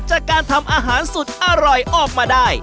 จากการทำอาหารสุดอร่อยออกมาได้